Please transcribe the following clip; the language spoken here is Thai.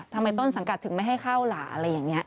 ต้นสังกัดถึงไม่ให้เข้าล่ะอะไรอย่างนี้